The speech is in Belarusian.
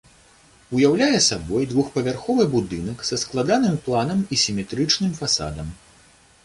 Уяўляе сабой двухпавярховы будынак са складаным планам і сіметрычным фасадам.